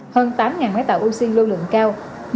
hơn tám máy tạo oxy lưu lượng cao